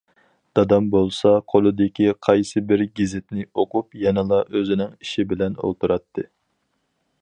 دادام بولسا قولىدىكى قايسى بىر گېزىتنى ئوقۇپ يەنىلا ئۆزىنىڭ ئىشى بىلەن ئولتۇراتتى.